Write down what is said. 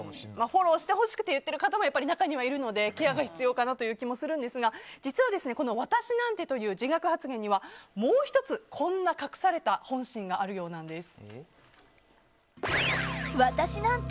フォローしてほしくて言ってる方も、中にるのでケアが必要かなという気もしますが、実は私なんてという自虐発言にはもう１つ隠された本心があるようなんです。